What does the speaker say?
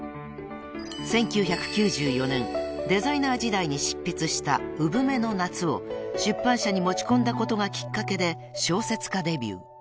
［１９９４年デザイナー時代に執筆した『姑獲鳥の夏』を出版社に持ち込んだことがきっかけで小説家デビュー］